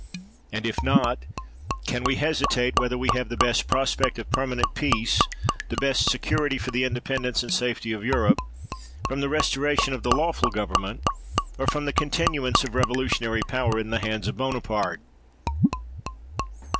And if not, can we hesitate whether we have the best prospect of permanent I>eace, the best security for the independence and safety of Europe, from the restoration of the lawful government or from the continuance of revolutionary' power in the hands of Bona parte